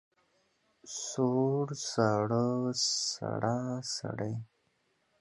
سوړ، ساړه، سړه، سړې.